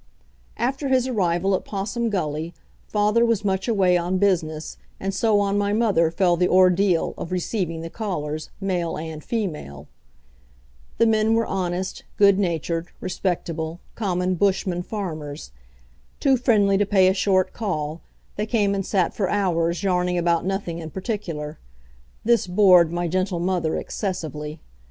After his arrival at Possum Gully father was much away on business, and so on my mother fell the ordeal of receiving the callers, male and female. The men were honest, good natured, respectable, common bushmen farmers. Too friendly to pay a short call, they came and sat for hours yarning about nothing in particular. This bored my gentle mother excessively.